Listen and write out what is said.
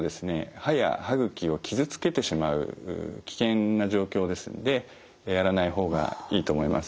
歯や歯ぐきを傷つけてしまう危険な状況ですのでやらない方がいいと思います。